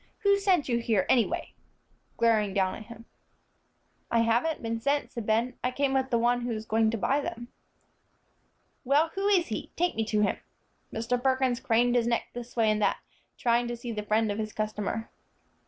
"Who sent you here, anyway?" glaring down at him. "I haven't been sent," said Ben; "I came with the one who is going to buy them." "Well, who is he? Take me to him." Mr. Perkins craned his neck this way and that, trying to see the friend of his customer.